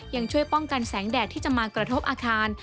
ยังช่วยป้องกันแสงแดดที่จะมากระทบอาคาร